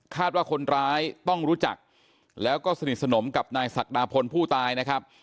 ว่าคนร้ายต้องรู้จักแล้วก็สนิทสนมกับนายศักดาพลผู้ตายนะครับ